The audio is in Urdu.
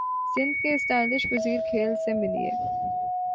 سندھ کے اسٹائلش وزیر کھیل سے ملیے